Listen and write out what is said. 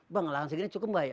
bang alasan segitu cukup gak ya